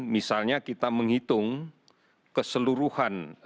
misalnya kita menghitung keseluruhan